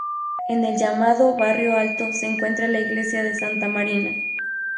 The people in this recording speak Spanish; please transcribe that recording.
En el llamado barrio Alto se encuentra la iglesia de Santa Marina.